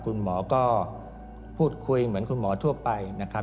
คุณหมอก็พูดคุยเหมือนคุณหมอทั่วไปนะครับ